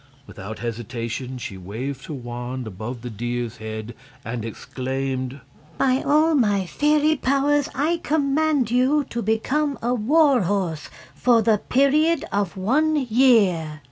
Without hesitation she waved her wand above the deer's head and exclaimed: "By all my fairy powers I command you to become a war horse for the period of one year."